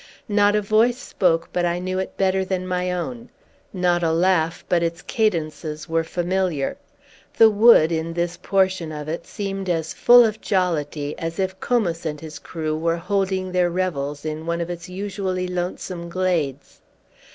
Not a voice spoke, but I knew it better than my own; not a laugh, but its cadences were familiar. The wood, in this portion of it, seemed as full of jollity as if Comus and his crew were holding their revels in one of its usually lonesome glades.